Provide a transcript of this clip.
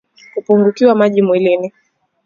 Kupungukiwa maji mwilini